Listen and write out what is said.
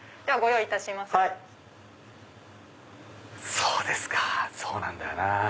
そうですかそうなんだよな。